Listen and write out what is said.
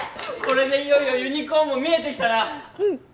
これでいよいよユニコーンも見えてきたなうん